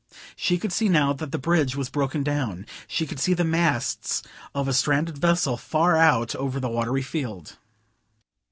She could see now that the bridge was broken down; she could see the masts of a stranded vessel far out over the watery field.